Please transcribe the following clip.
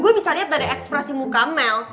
gue bisa lihat dari ekspresi muka mel